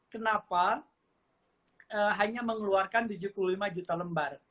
kenapa hanya mengeluarkan tujuh puluh lima juta lembar